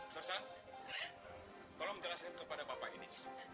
sosan tolong jelasin kepada bapak ini